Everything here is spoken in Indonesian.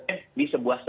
tidak masuk ke dalam situ